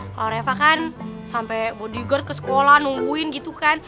kalo reva kan sampe bodyguard ke sekolah nungguin gitu kan